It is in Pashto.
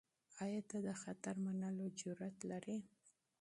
آیا ته د خطر منلو جرئت لرې؟